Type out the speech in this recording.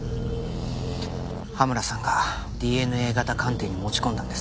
羽村さんがＤＮＡ型鑑定に持ち込んだんです。